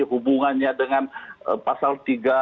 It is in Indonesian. hubungannya dengan pasal tiga